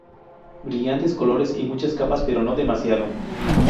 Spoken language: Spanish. Brillantes colores y muchas capas pero no demasiado.